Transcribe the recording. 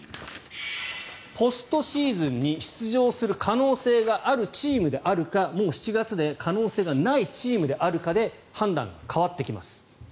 ポストシーズンに出場する可能性があるチームであるかもう７月で可能性がないチームであるかで判断が変わってきます。